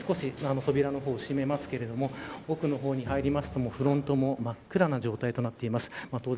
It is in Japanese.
風が強いので少し扉を閉めますけれども奥の方に入りますと、フロントも真っ暗な状態となっています。